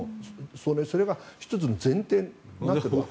それが１つの前提になっている。